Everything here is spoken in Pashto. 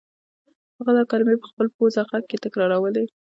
هغه دا کلمې په خپل پوزه غږ کې تکرارولې